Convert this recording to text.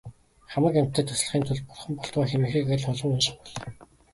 Хамаг амьтдад туслахын тулд бурхан болтугай хэмээхийг аль олон унших болой.